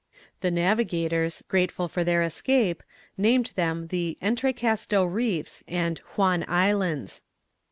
The navigators, grateful for their escape, named them the Entrecasteaux Reefs and Huon Islands.